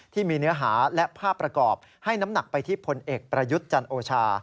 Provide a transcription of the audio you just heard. เนื้อหาและภาพประกอบให้น้ำหนักไปที่พลเอกประยุทธ์จันโอชา